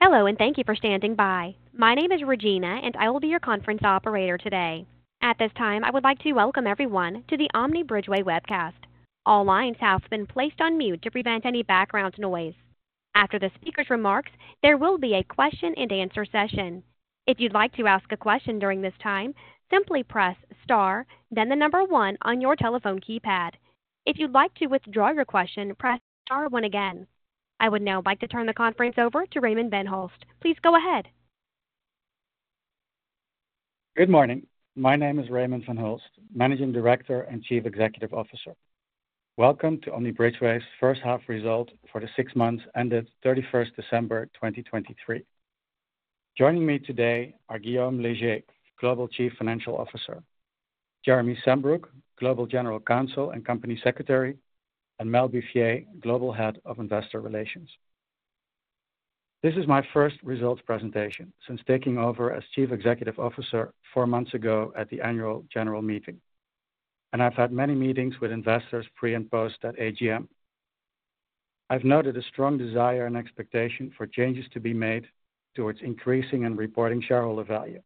Hello and thank you for standing by. My name is Regina and I will be your conference operator today. At this time I would like to welcome everyone to the Omni Bridgeway webcast. All lines have been placed on mute to prevent any background noise. After the speaker's remarks, there will be a Q&A session. If you'd like to ask a question during this time, simply press star then the number one on your telephone keypad. If you'd like to withdraw your question, press star one again. I would now like to turn the conference over to Raymond van Hulst. Please go ahead. Good morning. My name is Raymond van Hulst, Managing Director and Chief Executive Officer. Welcome to Omni Bridgeway's first-half result for the six months ended 31 December 2023. Joining me today are Guillaume Leger, Global Chief Financial Officer; Jeremy Sambrook, Global General Counsel and Company Secretary; and Mel Buffier, Global Head of Investor Relations. This is my first results presentation since taking over as Chief Executive Officer four months ago at the annual general meeting, and I've had many meetings with investors pre and post at AGM. I've noted a strong desire and expectation for changes to be made towards increasing and reporting shareholder value,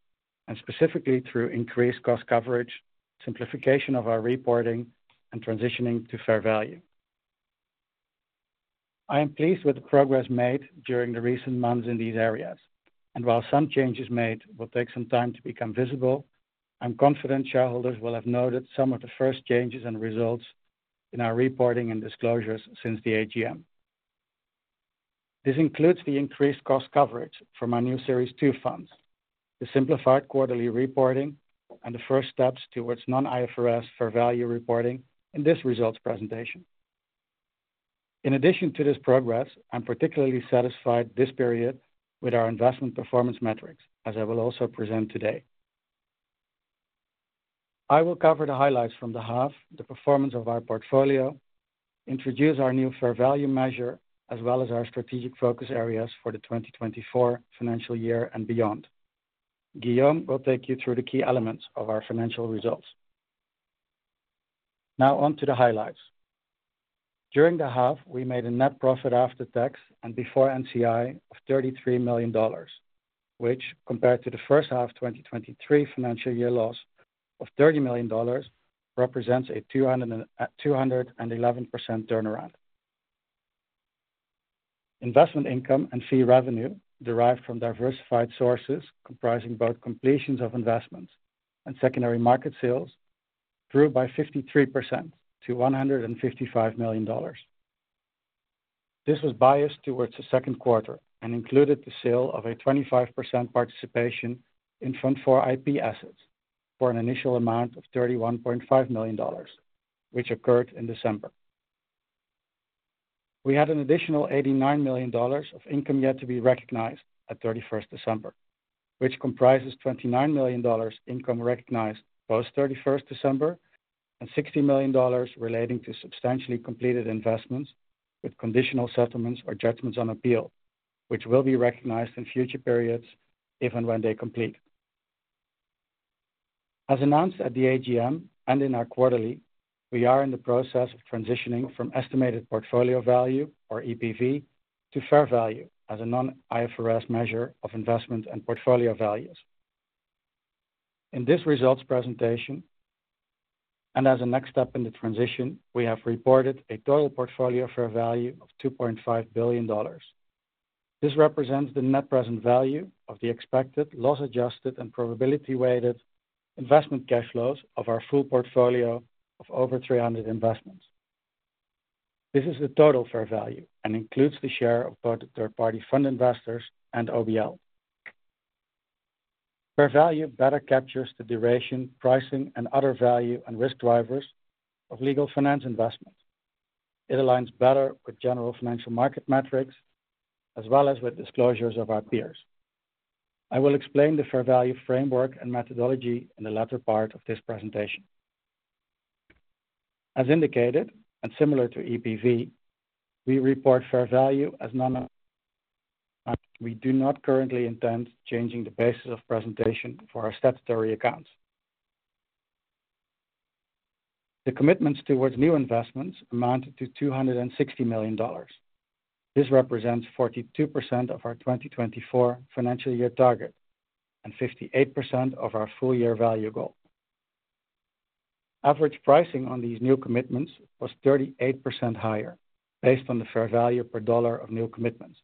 and specifically through increased cost coverage, simplification of our reporting, and transitioning to fair value. I am pleased with the progress made during the recent months in these areas, and while some changes made will take some time to become visible, I'm confident shareholders will have noted some of the first changes and results in our reporting and disclosures since the AGM. This includes the increased cost coverage for my new Series II funds, the simplified quarterly reporting, and the first steps towards non-IFRS fair value reporting in this results presentation. In addition to this progress, I'm particularly satisfied this period with our investment performance metrics, as I will also present today. I will cover the highlights from the half, the performance of our portfolio, introduce our new fair value measure, as well as our strategic focus areas for the 2024 financial year and beyond. Guillaume will take you through the key elements of our financial results. Now onto the highlights. During the half, we made a net profit after tax and before NCI of 33 million dollars, which, compared to the first-half 2023 financial year loss of 30 million dollars, represents a 211% turnaround. Investment income and fee revenue derived from diversified sources comprising both completions of investments and secondary market sales grew by 53% to 155 million dollars. This was biased towards the second quarter and included the sale of a 25% participation in Fund 4 IP assets for an initial amount of 31.5 million dollars, which occurred in December. We had an additional 89 million dollars of income yet to be recognized at 31 December, which comprises 29 million dollars income recognized post-31 December and 60 million dollars relating to substantially completed investments with conditional settlements or judgments on appeal, which will be recognized in future periods if and when they complete. As announced at the AGM and in our quarterly, we are in the process of transitioning from estimated portfolio value, or EPV, to fair value as a non-IFRS measure of investment and portfolio values. In this results presentation and as a next step in the transition, we have reported a total portfolio fair value of 2.5 billion dollars. This represents the net present value of the expected loss-adjusted and probability-weighted investment cash flows of our full portfolio of over 300 investments. This is the total fair value and includes the share of both third-party fund investors and OBL. Fair value better captures the duration, pricing, and other value and risk drivers of legal finance investments. It aligns better with general financial market metrics as well as with disclosures of our peers. I will explain the fair value framework and methodology in the latter part of this presentation. As indicated and similar to EPV, we report fair value as non-IFRS. We do not currently intend changing the basis of presentation for our statutory accounts. The commitments towards new investments amounted to 260 million dollars. This represents 42% of our 2024 financial year target and 58% of our full-year value goal. Average pricing on these new commitments was 38% higher based on the fair value per dollar of new commitments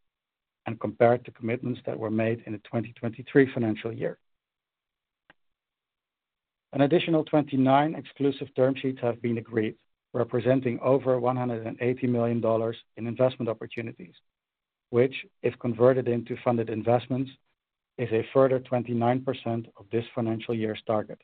and compared to commitments that were made in the 2023 financial year. An additional 29 exclusive term sheets have been agreed, representing over 180 million dollars in investment opportunities, which, if converted into funded investments, is a further 29% of this financial year's target.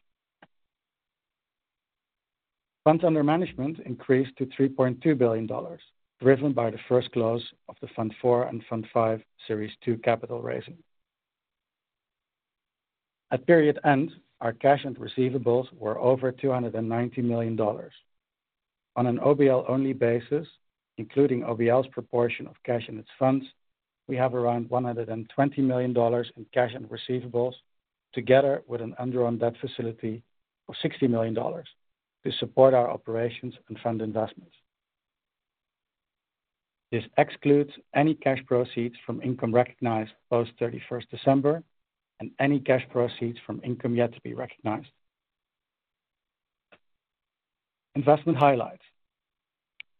Funds under management increased to 3.2 billion dollars, driven by the first close of the Fund 4 and Fund 5 Series II capital raising. At period end, our cash and receivables were over 290 million dollars. On an OBL-only basis, including OBL's proportion of cash in its funds, we have around 120 million dollars in cash and receivables, together with an undrawn debt facility of 60 million dollars to support our operations and fund investments. This excludes any cash proceeds from income recognized post-31 December and any cash proceeds from income yet to be recognized. Investment highlights.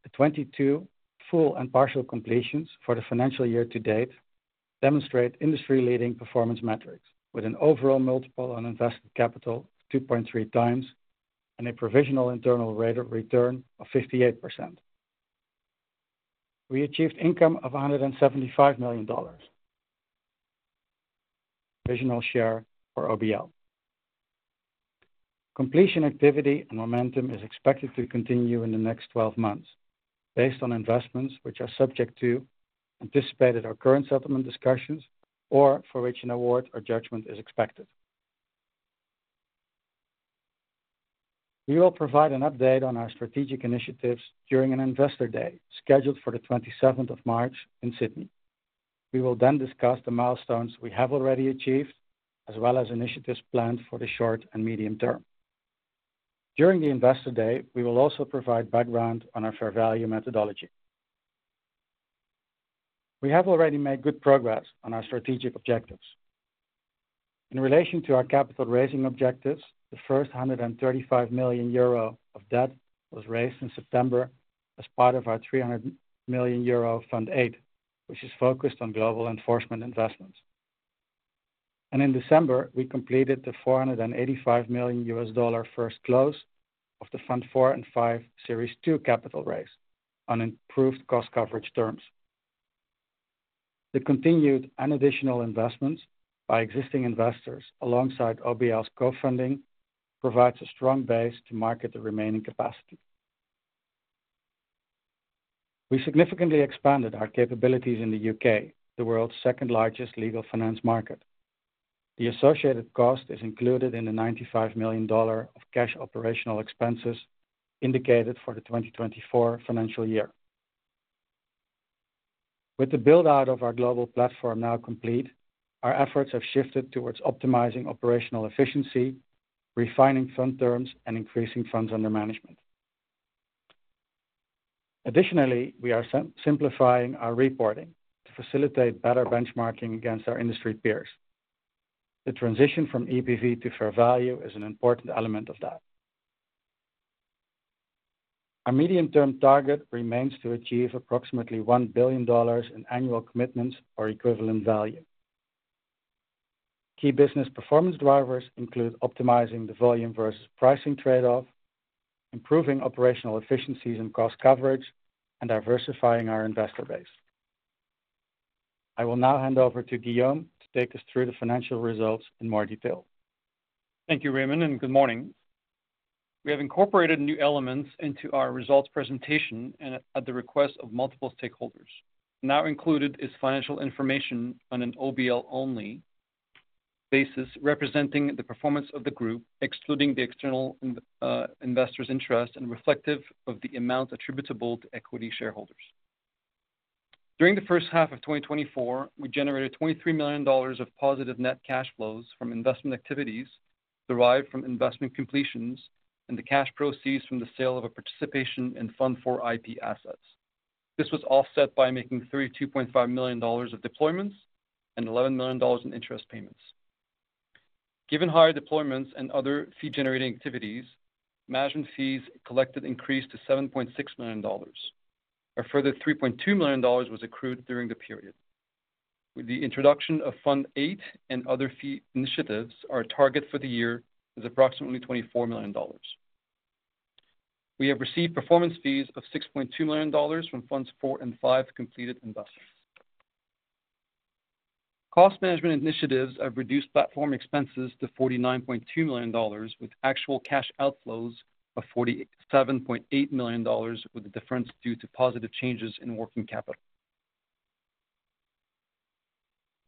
The 22 full and partial completions for the financial year to date demonstrate industry-leading performance metrics with an overall multiple on invested capital of 2.3x and a provisional internal rate of return of 58%. We achieved income of 175 million dollars, provisional share for OBL. Completion activity and momentum is expected to continue in the next 12 months based on investments which are subject to anticipated or current settlement discussions or for which an award or judgment is expected. We will provide an update on our strategic initiatives during an investor day scheduled for the 27th of March in Sydney. We will then discuss the milestones we have already achieved as well as initiatives planned for the short and medium term. During the investor day, we will also provide background on our fair value methodology. We have already made good progress on our strategic objectives. In relation to our capital raising objectives, the first 135 million euro of debt was raised in September as part of our 300 million euro Fund 8, which is focused on global enforcement investments. In December, we completed the $485 million first close of the Fund 4 and Fund 5 Series II capital raise on improved cost coverage terms. The continued and additional investments by existing investors alongside OBL's co-funding provides a strong base to market the remaining capacity. We significantly expanded our capabilities in the U.K., the world's second-largest legal finance market. The associated cost is included in the 95 million dollar of cash operational expenses indicated for the 2024 financial year. With the build-out of our global platform now complete, our efforts have shifted towards optimizing operational efficiency, refining fund terms, and increasing funds under management. Additionally, we are simplifying our reporting to facilitate better benchmarking against our industry peers. The transition from EPV to fair value is an important element of that. Our medium-term target remains to achieve approximately 1 billion dollars in annual commitments or equivalent value. Key business performance drivers include optimizing the volume versus pricing trade-off, improving operational efficiencies and cost coverage, and diversifying our investor base. I will now hand over to Guillaume to take us through the financial results in more detail. Thank you, Raymond, and good morning. We have incorporated new elements into our results presentation at the request of multiple stakeholders. Now included is financial information on an OBL-only basis representing the performance of the group, excluding the external investors' interest and reflective of the amount attributable to equity shareholders. During the first half of 2024, we generated 23 million dollars of positive net cash flows from investment activities derived from investment completions and the cash proceeds from the sale of a participation in Fund 4 IP assets. This was offset by making 32.5 million dollars of deployments and 11 million dollars in interest payments. Given higher deployments and other fee-generating activities, management fees collected increased to 7.6 million dollars. A further 3.2 million dollars was accrued during the period. The introduction of Fund 8 and other fee initiatives, our target for the year is approximately 24 million dollars. We have received performance fees of 6.2 million dollars from Funds 4 and Fund 5 completed investments. Cost management initiatives have reduced platform expenses to 49.2 million dollars with actual cash outflows of 47.8 million dollars with a difference due to positive changes in working capital.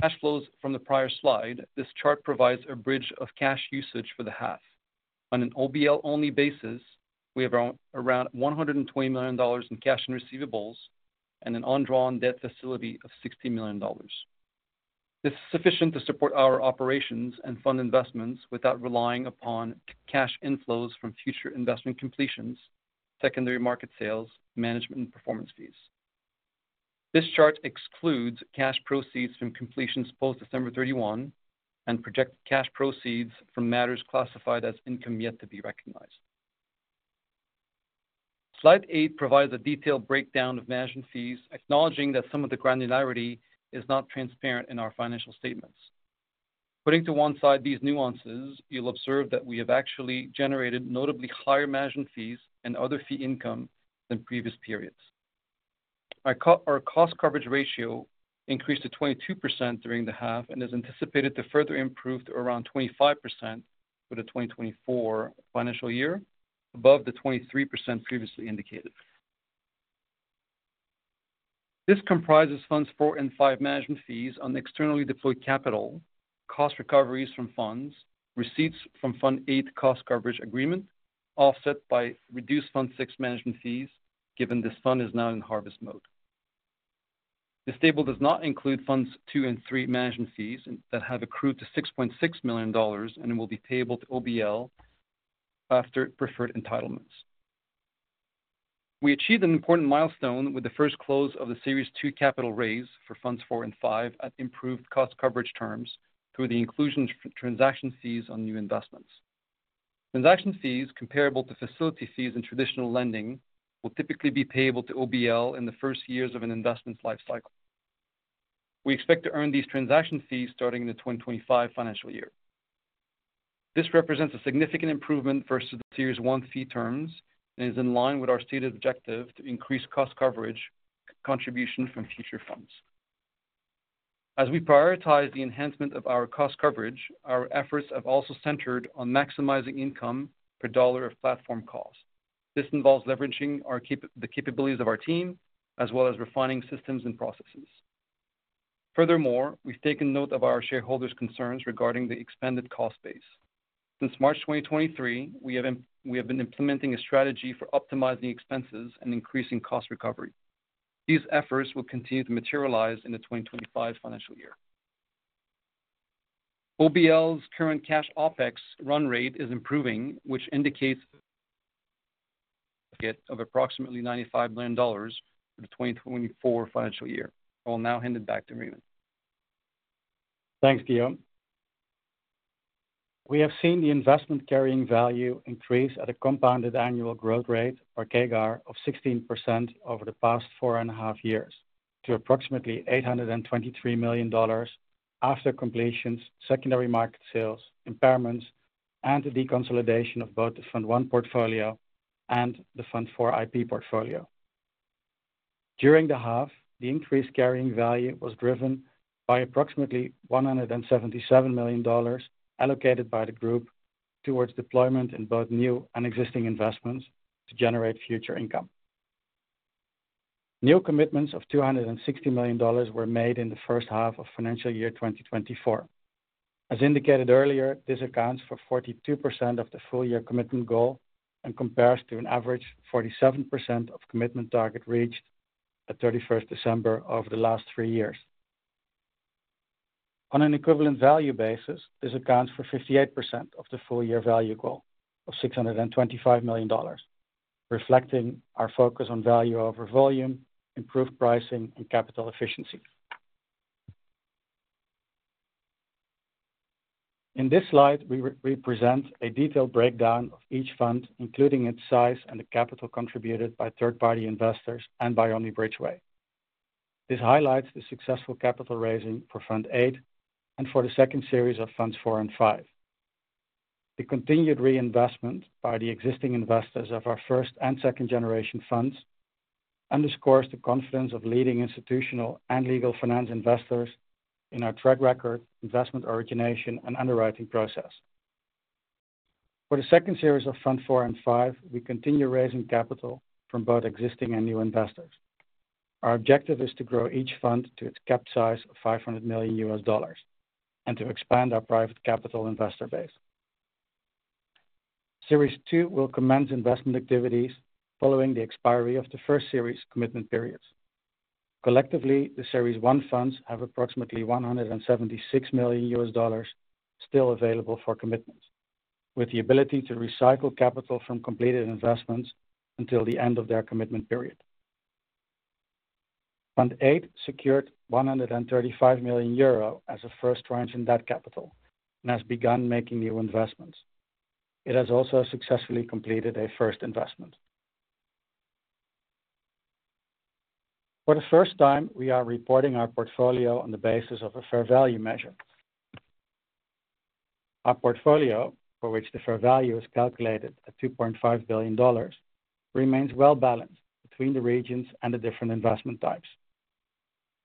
Cash flows from the prior slide, this chart provides a bridge of cash usage for the half. On an OBL-only basis, we have around 120 million dollars in cash and receivables and an undrawn debt facility of 60 million dollars. This is sufficient to support our operations and fund investments without relying upon cash inflows from future investment completions, secondary market sales, management, and performance fees. This chart excludes cash proceeds from completions post-December 31 and projected cash proceeds from matters classified as income yet to be recognized. Slide eight provides a detailed breakdown of management fees, acknowledging that some of the granularity is not transparent in our financial statements. Putting to one side these nuances, you'll observe that we have actually generated notably higher management fees and other fee income than previous periods. Our cost coverage ratio increased to 22% during the half and is anticipated to further improve to around 25% for the 2024 financial year, above the 23% previously indicated. This comprises Funds 4 and Fund 5 management fees on externally deployed capital, cost recoveries from funds, receipts from Fund 8 cost coverage agreement offset by reduced Fund 6 management fees given this fund is now in harvest mode. This table does not include Funds 2 and Fund 3 management fees that have accrued to 6.6 million dollars and will be payable to OBL after preferred entitlements. We achieved an important milestone with the first close of the Series II capital raise for Funds 4 and Fund 5 at improved cost coverage terms through the inclusion of transaction fees on new investments. Transaction fees comparable to facility fees in traditional lending will typically be payable to OBL in the first years of an investment's lifecycle. We expect to earn these transaction fees starting in the 2025 financial year. This represents a significant improvement versus the Series I fee terms and is in line with our stated objective to increase cost coverage contribution from future funds. As we prioritize the enhancement of our cost coverage, our efforts have also centered on maximizing income per dollar of platform cost. This involves leveraging the capabilities of our team as well as refining systems and processes. Furthermore, we've taken note of our shareholders' concerns regarding the expended cost base. Since March 2023, we have been implementing a strategy for optimizing expenses and increasing cost recovery. These efforts will continue to materialize in the 2025 financial year. OBL's current cash OpEx run rate is improving, which indicates a budget of approximately 95 million dollars for the 2024 financial year. I will now hand it back to Raymond. Thanks, Guillaume. We have seen the investment-carrying value increase at a compounded annual growth rate, or CAGR, of 16% over the past four and a half years to approximately 823 million dollars after completions, secondary market sales, impairments, and the deconsolidation of both the Fund 1 portfolio and the Fund 4 IP portfolio. During the half, the increased carrying value was driven by approximately 177 million dollars allocated by the group towards deployment in both new and existing investments to generate future income. New commitments of 260 million dollars were made in the first half of financial year 2024. As indicated earlier, this accounts for 42% of the full-year commitment goal and compares to an average 47% of commitment target reached at 31 December over the last three years. On an equivalent value basis, this accounts for 58% of the full-year value goal of 625 million dollars, reflecting our focus on value over volume, improved pricing, and capital efficiency. In this slide, we present a detailed breakdown of each fund, including its size and the capital contributed by third-party investors and by Omni Bridgeway. This highlights the successful capital raising for Fund 8 and for the second series of Funds 4 and Fund 5. The continued reinvestment by the existing investors of our first and second-generation funds underscores the confidence of leading institutional and legal finance investors in our track record, investment origination, and underwriting process. For the second series of Funds 4 and Fund 5, we continue raising capital from both existing and new investors. Our objective is to grow each fund to its cap size of $500 million and to expand our private capital investor base. Series II will commence investment activities following the expiry of the first series commitment periods. Collectively, the Series I funds have approximately $176 million still available for commitments, with the ability to recycle capital from completed investments until the end of their commitment period. Fund 8 secured 135 million euro as a first tranche in debt capital and has begun making new investments. It has also successfully completed a first investment. For the first time, we are reporting our portfolio on the basis of a fair value measure. Our portfolio, for which the fair value is calculated at 2.5 billion dollars, remains well-balanced between the regions and the different investment types.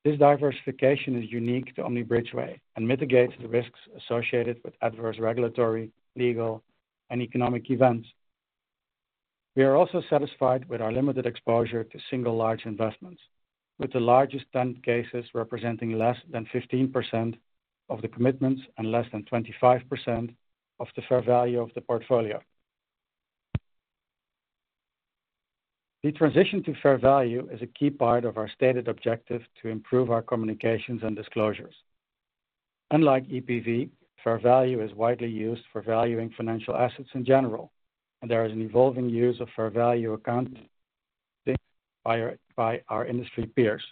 This diversification is unique to Omni Bridgeway and mitigates the risks associated with adverse regulatory, legal, and economic events. We are also satisfied with our limited exposure to single large investments, with the largest 10 cases representing less than 15% of the commitments and less than 25% of the fair value of the portfolio. The transition to fair value is a key part of our stated objective to improve our communications and disclosures. Unlike EPV, fair value is widely used for valuing financial assets in general, and there is an evolving use of fair value accounting by our industry peers.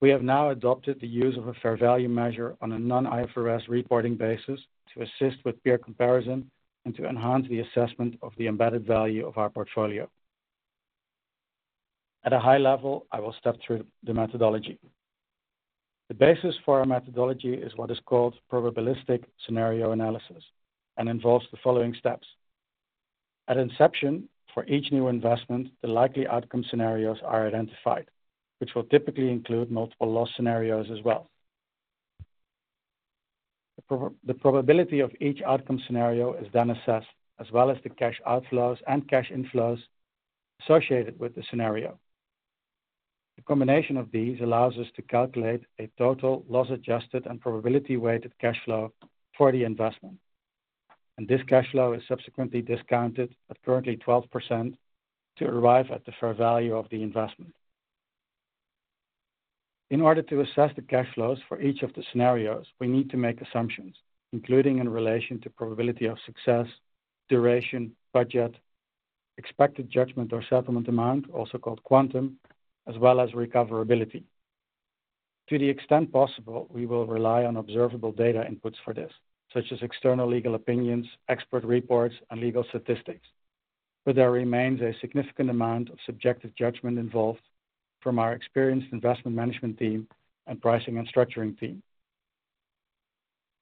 We have now adopted the use of a fair value measure on a non-IFRS reporting basis to assist with peer comparison and to enhance the assessment of the embedded value of our portfolio. At a high level, I will step through the methodology. The basis for our methodology is what is called probabilistic scenario analysis and involves the following steps. At inception, for each new investment, the likely outcome scenarios are identified, which will typically include multiple loss scenarios as well. The probability of each outcome scenario is then assessed, as well as the cash outflows and cash inflows associated with the scenario. The combination of these allows us to calculate a total loss-adjusted and probability-weighted cash flow for the investment. This cash flow is subsequently discounted at currently 12% to arrive at the fair value of the investment. In order to assess the cash flows for each of the scenarios, we need to make assumptions, including in relation to probability of success, duration, budget, expected judgment or settlement amount, also called quantum, as well as recoverability. To the extent possible, we will rely on observable data inputs for this, such as external legal opinions, expert reports, and legal statistics. But there remains a significant amount of subjective judgment involved from our experienced investment management team and pricing and structuring team.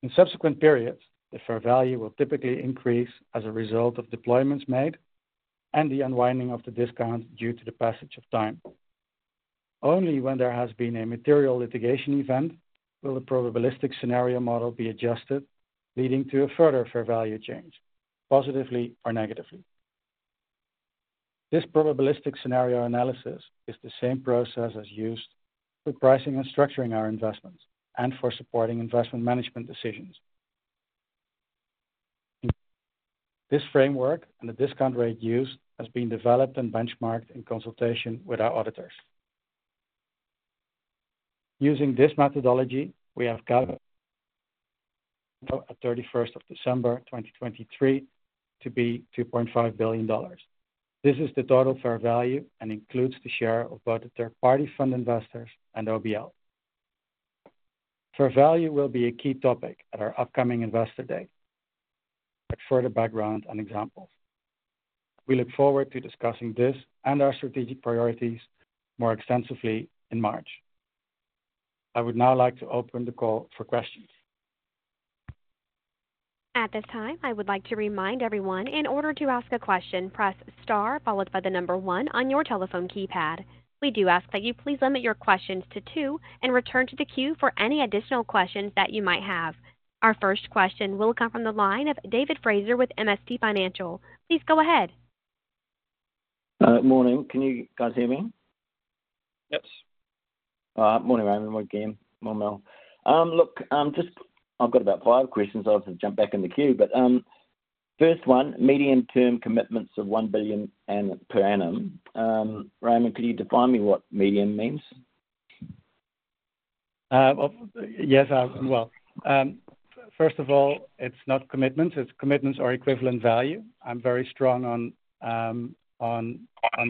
In subsequent periods, the fair value will typically increase as a result of deployments made and the unwinding of the discount due to the passage of time. Only when there has been a material litigation event will the probabilistic scenario model be adjusted, leading to a further fair value change, positively or negatively. This probabilistic scenario analysis is the same process as used for pricing and structuring our investments and for supporting investment management decisions. This framework and the discount rate used has been developed and benchmarked in consultation with our auditors. Using this methodology, we have calculated the total at 31 December 2023 to be 2.5 billion dollars. This is the total fair value and includes the share of both the third-party fund investors and OBL. Fair value will be a key topic at our upcoming Investor Day for further background and examples. We look forward to discussing this and our strategic priorities more extensively in March. I would now like to open the call for questions. At this time, I would like to remind everyone, in order to ask a question, press star followed by the number one on your telephone keypad. We do ask that you please limit your questions to two and return to the queue for any additional questions that you might have. Our first question will come from the line of David Fraser with MST Financial. Please go ahead. Morning. Can you guys hear me? Yes. Morning, Raymond. Morning, Guillaume. Morning, Mel. Look, I've got about five questions. I'll have to jump back in the queue. But first one, medium-term commitments of 1 billion per annum. Raymond, could you define me what medium means? Yes. Well, first of all, it's not commitments. It's commitments or equivalent value. I'm very strong on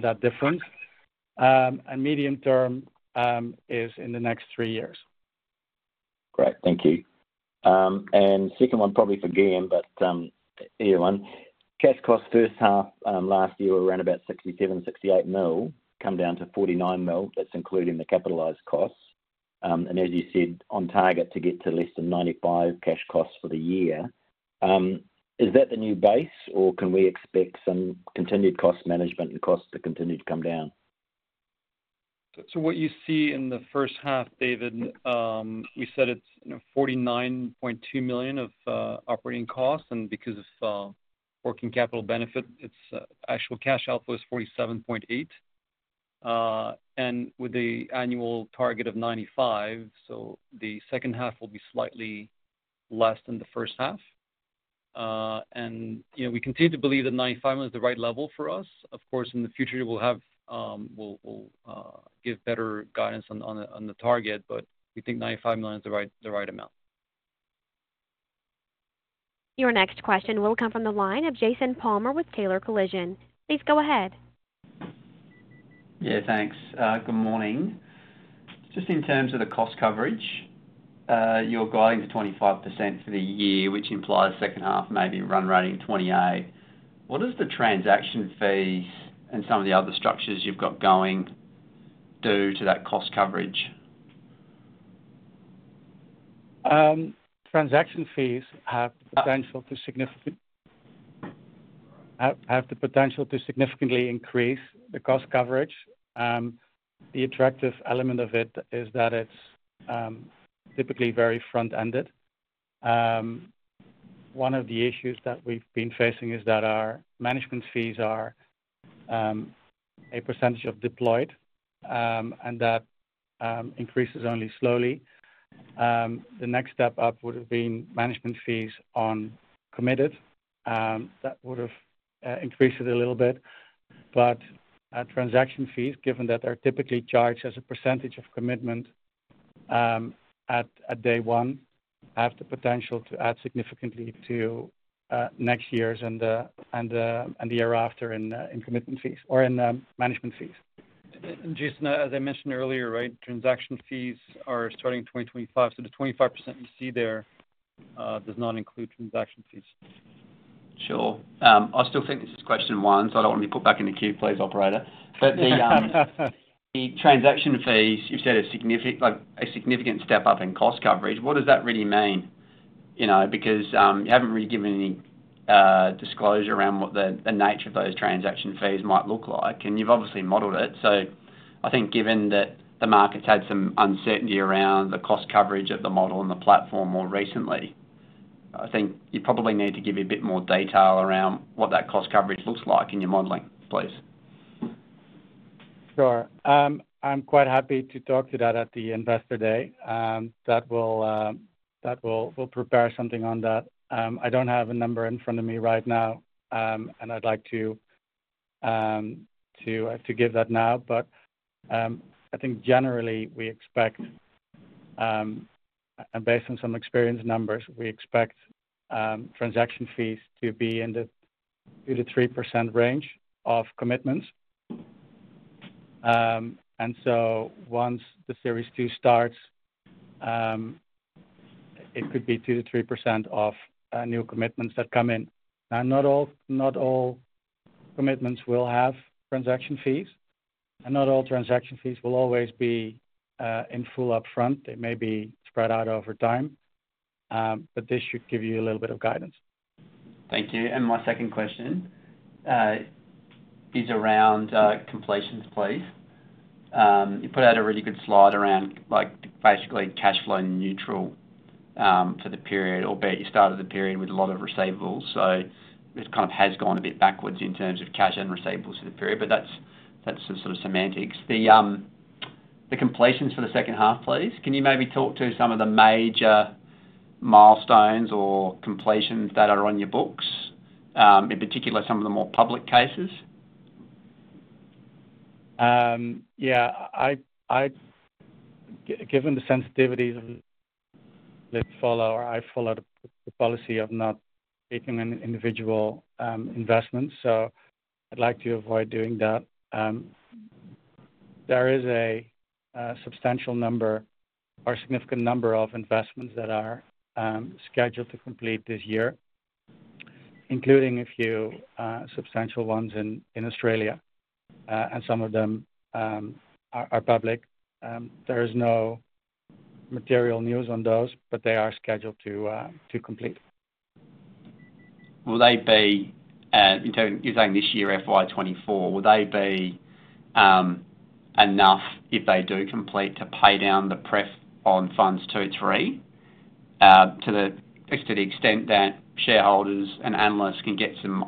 that difference. Medium-term is in the next three years. Great. Thank you. And second one, probably for Guillaume, but either one. Cash costs first half last year were around about 67 million-68 million, come down to 49 million. That's including the capitalized costs. And as you said, on target to get to less than 95 million cash costs for the year. Is that the new base, or can we expect some continued cost management and costs to continue to come down? So what you see in the first half, David, we said it's 49.2 million of operating costs. And because of working capital benefit, actual cash outflow is 47.8 million. And with the annual target of 95 million, so the second half will be slightly less than the first half. And we continue to believe that 95 million is the right level for us. Of course, in the future, we'll give better guidance on the target, but we think 95 million is the right amount. Your next question will come from the line of Jason Palmer with Taylor Collison. Please go ahead. Yeah, thanks. Good morning. Just in terms of the cost coverage, you're guiding to 25% for the year, which implies second half may be run rate in 28%. What does the transaction fees and some of the other structures you've got going do to that cost coverage? Transaction fees have the potential to significantly increase the cost coverage. The attractive element of it is that it's typically very front-ended. One of the issues that we've been facing is that our management fees are a percentage of deployed, and that increases only slowly. The next step up would have been management fees on committed. That would have increased it a little bit. But transaction fees, given that they're typically charged as a percentage of commitment at day one, have the potential to add significantly to next years and the year after in commitment fees or in management fees. Jason, as I mentioned earlier, transaction fees are starting in 2025. The 25% you see there does not include transaction fees. Sure. I still think this is question one, so I don't want to be put back in the queue, please, operator. But the transaction fees, you've said a significant step up in cost coverage. What does that really mean? Because you haven't really given any disclosure around what the nature of those transaction fees might look like, and you've obviously modelled it. So I think given that the market's had some uncertainty around the cost coverage of the model and the platform more recently, I think you probably need to give a bit more detail around what that cost coverage looks like in your modelling, please. Sure. I'm quite happy to talk to that at the Investor Day. That will prepare something on that. I don't have a number in front of me right now, and I'd like to give that now. But I think generally, we expect, and based on some experienced numbers, we expect transaction fees to be in the 2%-3% range of commitments. And so once the Series II starts, it could be 2%-3% of new commitments that come in. Now, not all commitments will have transaction fees, and not all transaction fees will always be in full upfront. They may be spread out over time. But this should give you a little bit of guidance. Thank you. My second question is around completions, please. You put out a really good slide around basically cash flow neutral for the period, albeit you started the period with a lot of receivables. It kind of has gone a bit backwards in terms of cash and receivables for the period, but that's the sort of semantics. The completions for the second half, please. Can you maybe talk to some of the major milestones or completions that are on your books, in particular some of the more public cases? Yeah. Given the sensitivities of the follower, I follow the policy of not taking individual investments, so I'd like to avoid doing that. There is a substantial number or significant number of investments that are scheduled to complete this year, including a few substantial ones in Australia, and some of them are public. There is no material news on those, but they are scheduled to complete. You're saying this year, FY2024. Will they be enough, if they do complete, to pay down the pref on Funds 2 and 3 to the extent that shareholders and analysts can get some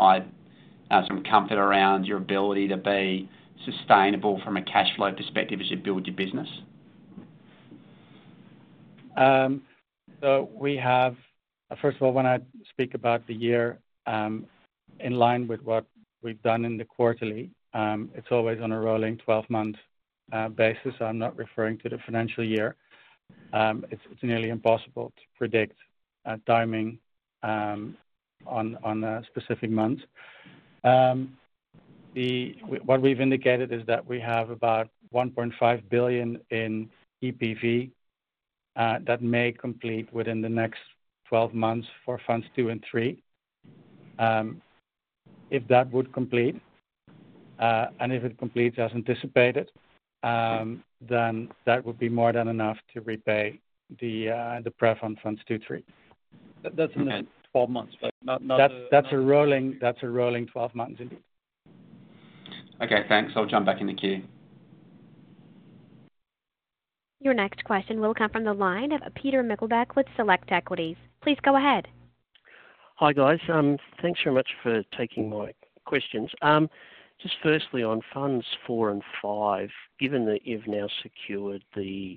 comfort around your ability to be sustainable from a cash flow perspective as you build your business? First of all, when I speak about the year, in line with what we've done in the quarterly, it's always on a rolling 12-month basis. I'm not referring to the financial year. It's nearly impossible to predict timing on specific months. What we've indicated is that we have about 1.5 billion in EPV that may complete within the next 12 months for Funds 2 and 3. If that would complete, and if it completes as anticipated, then that would be more than enough to repay the pref on Funds 2 and 3. That's in the 12 months, but not the. That's a rolling 12 months, indeed. Okay. Thanks. I'll jump back in the queue. Your next question will come from the line of Peter Meichelboeck with Select Equities. Please go ahead. Hi, guys. Thanks very much for taking my questions. Just firstly, on Funds 4 and 5, given that you've now secured the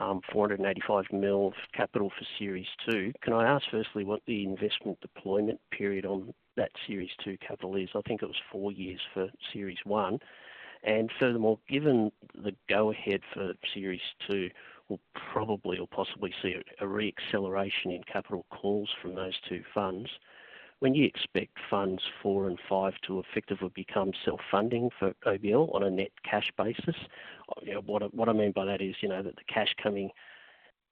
$485 million capital for Series II, can I ask firstly what the investment deployment period on that Series II capital is? I think it was four years for Series I. And furthermore, given the go-ahead for Series II, we'll probably or possibly see a re-acceleration in capital calls from those two funds. When you expect Funds 4 and 5 to effectively become self-funding for OBL on a net cash basis, what I mean by that is that the cash coming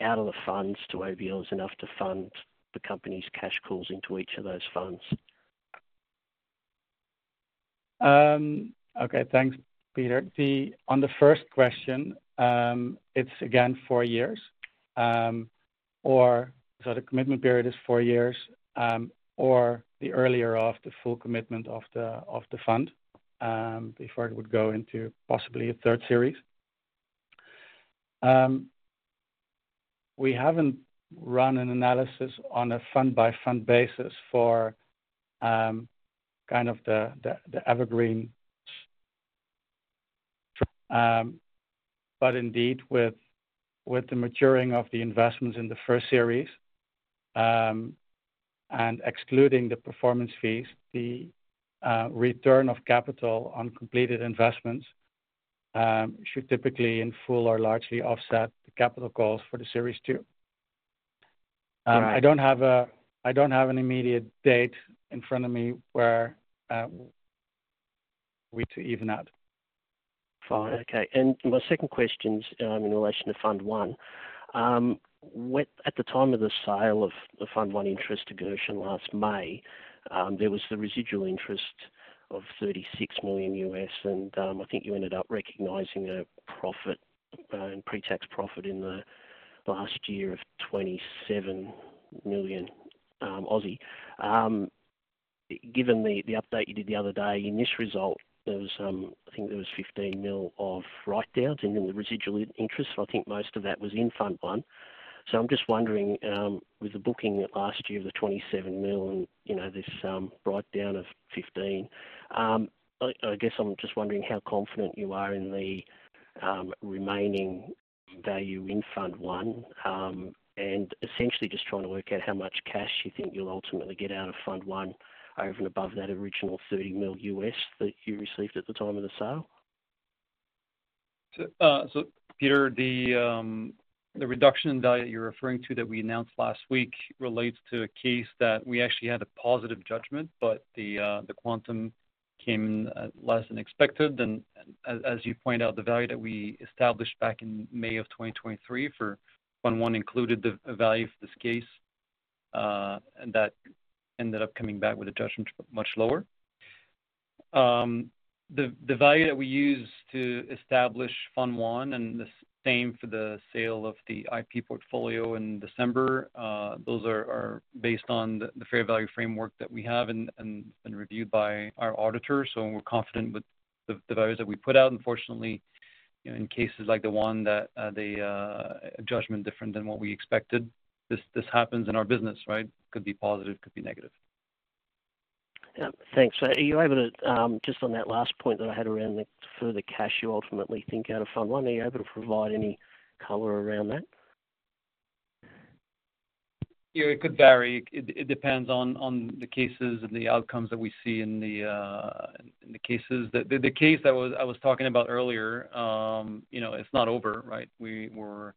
out of the funds to OBL is enough to fund the company's cash calls into each of those funds. Okay. Thanks, Peter. On the first question, it's, again, four years. So the commitment period is four years, or the earlier of the full commitment of the fund before it would go into possibly a third series. We haven't run an analysis on a fund-by-fund basis for kind of the evergreen. But indeed, with the maturing of the investments in the first series and excluding the performance fees, the return of capital on completed investments should typically in full or largely offset the capital calls for the Series II. I don't have an immediate date in front of me where we to even out. Fine. Okay. And my second question's in relation to Fund 1. At the time of the sale of Fund 1 interest to Gerchen last May, there was the residual interest of $36 million, and I think you ended up recognizing a profit and pre-tax profit in the last year of 27 million. Given the update you did the other day, in this result, I think there was 15 million of write-downs and then the residual interest. I think most of that was in Fund 1. So I'm just wondering, with the booking last year of the 27 million and this write-down of 15 million, I guess I'm just wondering how confident you are in the remaining value in Fund 1 and essentially just trying to work out how much cash you think you'll ultimately get out of Fund 1 over and above that original $30 million that you received at the time of the sale. So, Peter, the reduction in value that you're referring to that we announced last week relates to a case that we actually had a positive judgment, but the quantum came in less than expected. And as you point out, the value that we established back in May of 2023 for Fund 1 included the value for this case, and that ended up coming back with a judgment much lower. The value that we use to establish Fund 1 and the same for the sale of the IP portfolio in December, those are based on the fair value framework that we have and been reviewed by our auditor. So we're confident with the values that we put out. Unfortunately, in cases like the one that they judge them different than what we expected, this happens in our business, right? Could be positive, could be negative. Thanks. Are you able to just on that last point that I had around for the cash you ultimately think out of Fund 1, are you able to provide any color around that? It could vary. It depends on the cases and the outcomes that we see in the cases. The case that I was talking about earlier, it's not over, right? We were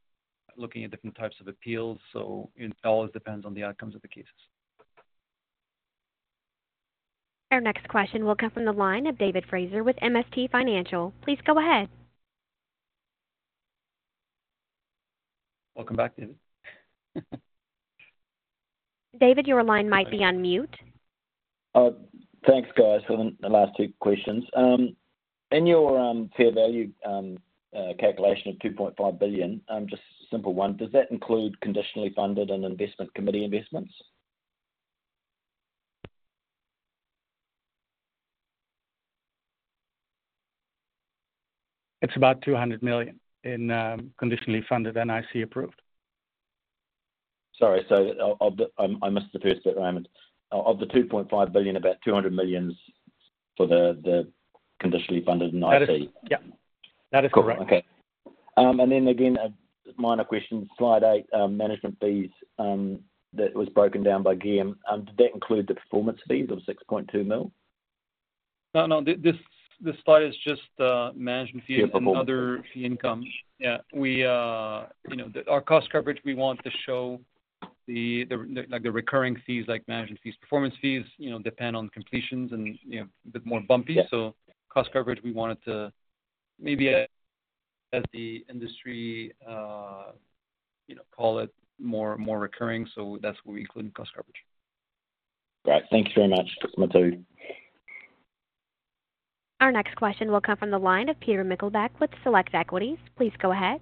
looking at different types of appeals. So it always depends on the outcomes of the cases. Our next question will come from the line of David Fraser with MST Financial. Please go ahead. Welcome back, David. David, your line might be on mute. Thanks, guys. The last two questions. In your fair value calculation of 2.5 billion, just a simple one, does that include conditionally funded and investment committee investments? It's about 200 million in conditionally funded and IC approved. Sorry. So I missed the first bit, Raymond. Of the 2.5 billion, about 200 million for the conditionally funded and IP. That is correct. Cool. Okay. And then again, minor question. Slide eight, management fees that was broken down by Guillaume. Did that include the performance fees of 6.2 million? No, no. This slide is just management fees and other fee income. Yeah. Our cost coverage, we want to show the recurring fees like management fees. Performance fees depend on completions and a bit more bumpy. So cost coverage, we wanted to maybe as the industry call it more recurring. So that's what we include in cost coverage. Great. Thank you very much, customer two. Our next question will come from the line of Peter Meichelboeck with Select Equities. Please go ahead.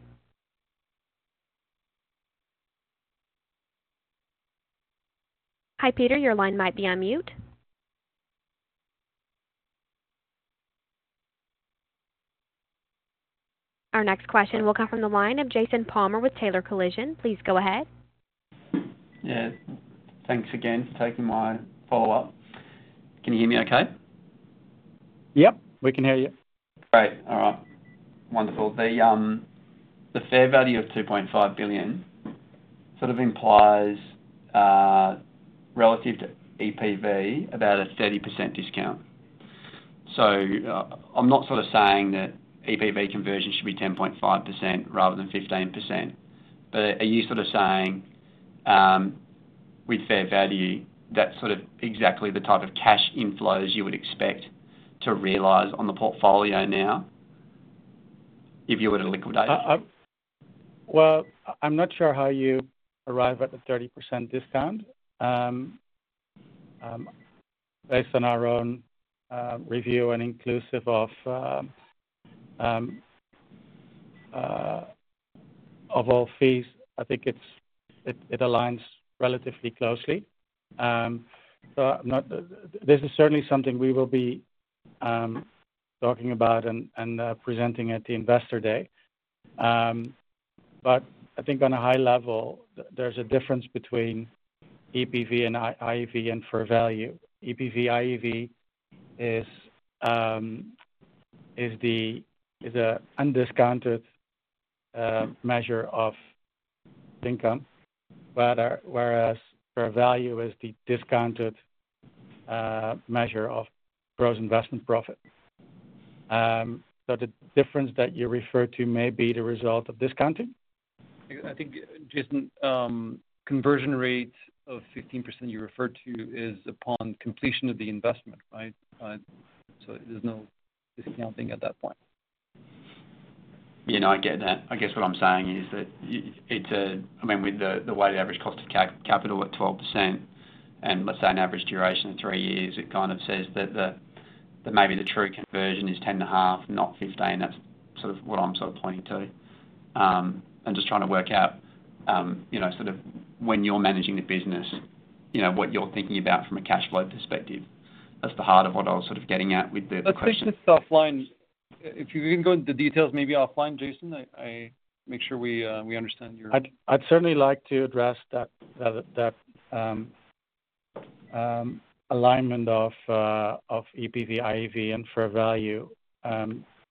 Hi, Peter. Your line might be on mute. Our next question will come from the line of Jason Palmer with Taylor Collison. Please go ahead. Yeah. Thanks again for taking my follow-up. Can you hear me okay? Yep. We can hear you. Great. All right. Wonderful. The fair value of 2.5 billion sort of implies relative to EPV about a 30% discount. So I'm not sort of saying that EPV conversion should be 10.5% rather than 15%, but are you sort of saying with fair value, that's sort of exactly the type of cash inflows you would expect to realize on the portfolio now if you were to liquidate it? Well, I'm not sure how you arrive at the 30% discount. Based on our own review and inclusive of all fees, I think it aligns relatively closely. So this is certainly something we will be talking about and presenting at the Investor Day. But I think on a high level, there's a difference between EPV and IEV and fair value. EPV/IEV is an undiscounted measure of income, whereas fair value is the discounted measure of gross investment profit. So the difference that you refer to may be the result of discounting. I think, Jason, conversion rate of 15% you referred to is upon completion of the investment, right? So there's no discounting at that point. I get that. I guess what I'm saying is that it's, I mean, with the weighted average cost of capital at 12% and let's say an average duration of three years, it kind of says that maybe the true conversion is 10.5, not 15. That's sort of what I'm sort of pointing to. I'm just trying to work out sort of when you're managing the business, what you're thinking about from a cash flow perspective. That's the heart of what I was sort of getting at with the question. I think this offline if you can go into the details maybe offline, Jason, make sure we understand your. I'd certainly like to address that alignment of EPV/IEV and fair value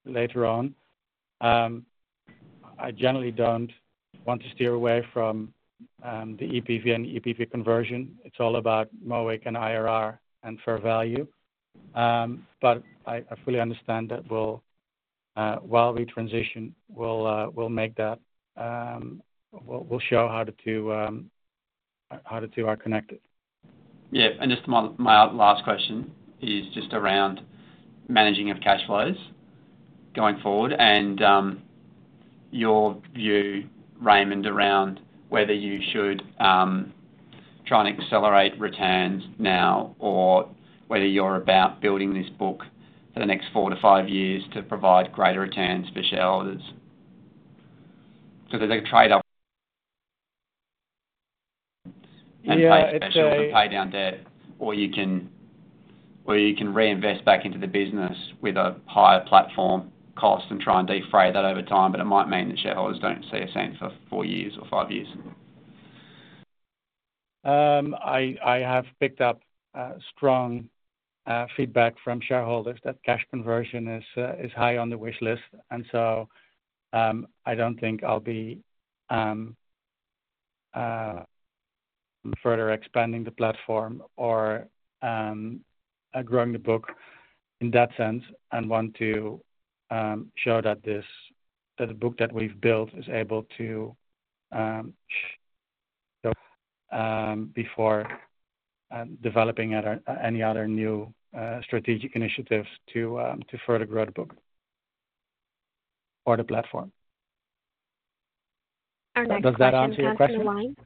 later on. I generally don't want to steer away from the EPV and EPV conversion. It's all about MOIC and IRR and fair value. But I fully understand that while we transition, we'll make that. We'll show how the two are connected. Yeah. Just my last question is just around managing of cash flows going forward and your view, Raymond, around whether you should try and accelerate returns now or whether you're about building this book for the next four to five years to provide greater returns for shareholders. There's a trade-off. Yeah. That's fair value. Pay specially to pay down debt, or you can reinvest back into the business with a higher platform cost and try and defray that over time, but it might mean that shareholders don't see a cent for four years or five years. I have picked up strong feedback from shareholders that cash conversion is high on the wish list. And so I don't think I'll be further expanding the platform or growing the book in that sense and want to show that the book that we've built is able to show. Before developing any other new strategic initiatives to further grow the book or the platform. Our next question comes from the line.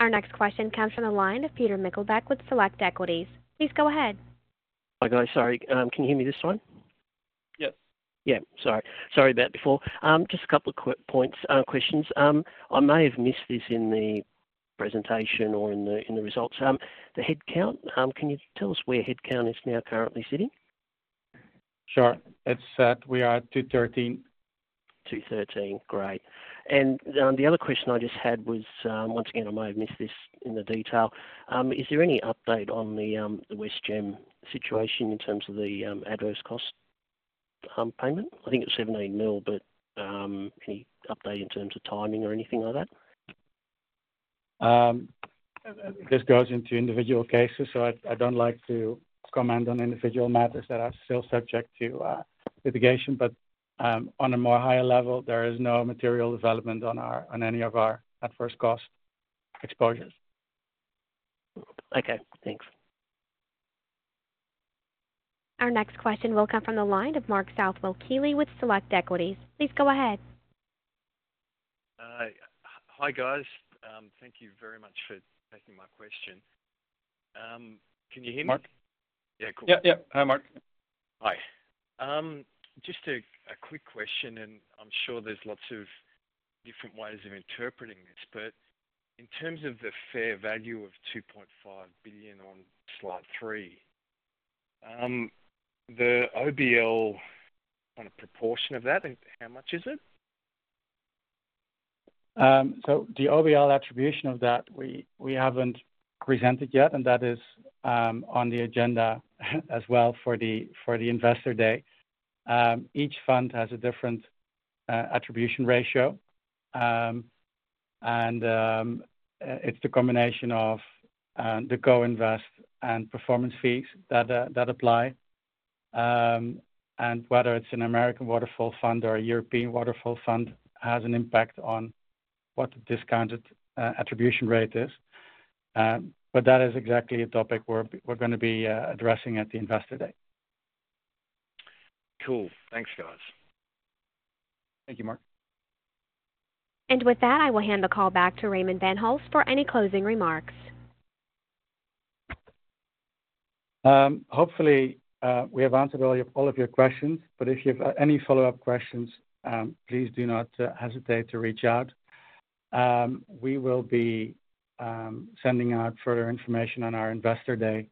Our next question comes from the line of Peter Meichelboeck with Select Equities. Please go ahead. Hi, guys. Sorry. Can you hear me this time? Yes. Yeah. Sorry. Sorry about before. Just a couple of quick questions. I may have missed this in the presentation or in the results. The headcount, can you tell us where headcount is now currently sitting? Sure. We are at 213. 213. Great. And the other question I just had was once again, I may have missed this in the detail. Is there any update on the Westgem situation in terms of the adverse cost payment? I think it was 17 million, but any update in terms of timing or anything like that? This goes into individual cases, so I don't like to comment on individual matters that are still subject to litigation. But on a more higher level, there is no material development on any of our adverse cost exposures. Okay. Thanks. Our next question will come from the line of Mark Southwell-Keely with Select Equities. Please go ahead. Hi, guys. Thank you very much for taking my question. Can you hear me? Mark. Yeah. Cool. Yeah. Yeah. Hi, Mark. Hi. Just a quick question, and I'm sure there's lots of different ways of interpreting this, but in terms of the fair value of 2.5 billion on slide three, the OBL kind of proportion of that, how much is it? So the OBL attribution of that, we haven't presented yet, and that is on the agenda as well for the Investor Day. Each fund has a different attribution ratio, and it's the combination of the co-invest and performance fees that apply. Whether it's an American waterfall fund or a European waterfall fund has an impact on what the discounted attribution rate is. That is exactly a topic we're going to be addressing at the Investor Day. Cool. Thanks, guys. Thank you, Mark. With that, I will hand the call back to Raymond van Hulst for any closing remarks. Hopefully, we have answered all of your questions, but if you have any follow-up questions, please do not hesitate to reach out. We will be sending out further information on our Investor Day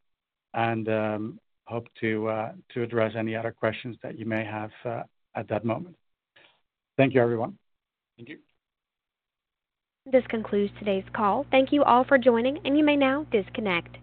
and hope to address any other questions that you may have at that moment. Thank you, everyone. Thank you. This concludes today's call. Thank you all for joining, and you may now disconnect.